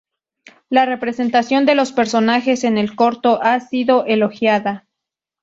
La representación de los personajes en el corto ha sido elogiada.